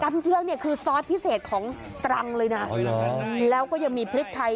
เชือกเนี่ยคือซอสพิเศษของตรังเลยนะแล้วก็ยังมีพริกไทย